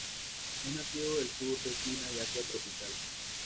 Es nativo del sur de China y Asia tropical.